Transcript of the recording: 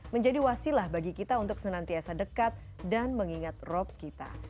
menjadi wasilah bagi kita untuk senantiasa dekat dan mengingat rob kita